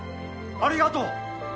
ありがとう！